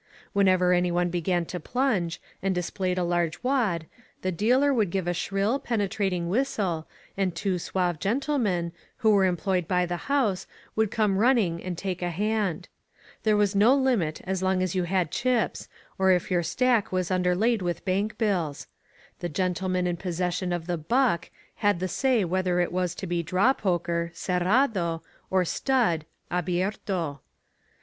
Whenever anyone began to plunge, and displayed a large wad, the dealer would give a shrill, penetrating whistle and two suave gen tlemen, who were employed by the house, would come running and take a hand. There was no limit as long as you had chips, or if your stack was underlaid with bank bills. The gentleman in possession of the "buck" had the say whether it was to be draw poker {cerrado) or stud (abierto).